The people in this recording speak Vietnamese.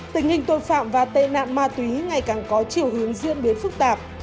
tình hình tội phạm và tên nạn ma túy ngày càng có chiều hướng duyên biến phức tạp